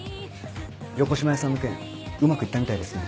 横島屋さんの件うまくいったみたいですね。